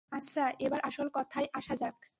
আচ্ছা, এবার আসল কথায় আসা যাক।